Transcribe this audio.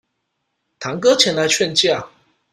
堂哥前來勸架